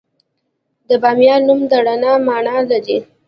د بامیان نوم د رڼا مانا لري